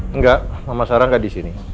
enggak mama sarah gak disini